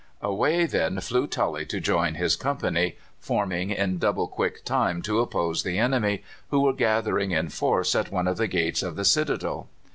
"Away then flew Tully to join his company, forming in double quick time to oppose the enemy, who were gathering in force at one of the gates of the citadel."